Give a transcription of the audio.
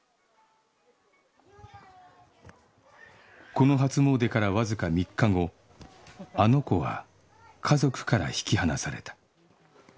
この初詣からわずか３日後「あの子」は家族から引き離された